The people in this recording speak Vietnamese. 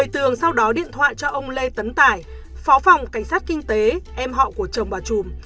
một mươi tường sau đó điện thoại cho ông lê tấn tài phó phòng cảnh sát kinh tế em họ của chồng bà trùm